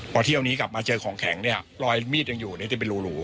พอเที่ยวนี้กลับมาเจอของแข็งเนี่ยรอยมีดยังอยู่เนี่ยจะเป็นรู